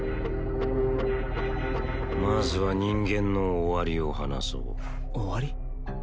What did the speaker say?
まずは人間の終わりを話そう終わり？